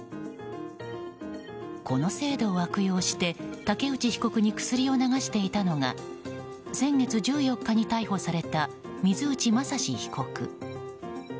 この制度を悪用して竹内被告に薬を流していたのが先月１４日に逮捕された水内雅士被告。